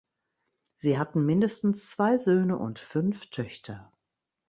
Sie hatten mindestens zwei Söhne und fünf Töchter.